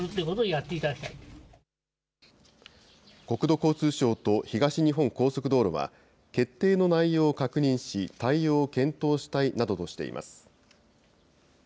国土交通省と東日本高速道路は、決定の内容を確認し、対応を検討したいなどとしています。